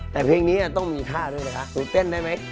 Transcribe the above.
แต่เพลงนี้ต้องมีค่าด้วยนะคะหนูเต้นได้ไหม